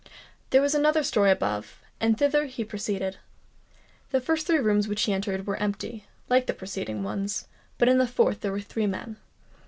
There was another storey above; and thither he proceeded. The first three rooms which he entered were empty, like the preceding ones; but in the fourth there were three men.